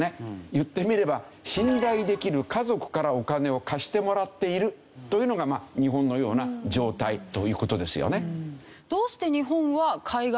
言ってみれば信頼できる家族からお金を貸してもらっているというのが日本のような状態という事ですよね。